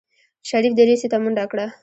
شريف دريڅې ته منډه کړه.